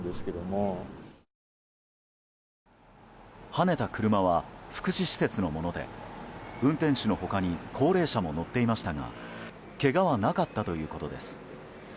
はねた車は福祉施設のもので運転手の他に高齢者も乗っていましたがけがはなかったということです。